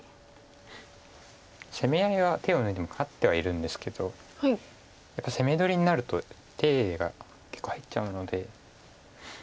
攻め合いは手を抜いても勝ってはいるんですけどやっぱり攻め取りになると手入れが結構入っちゃうので。